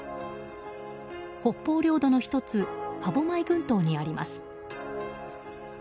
北方領土の１つ歯舞群島にあります。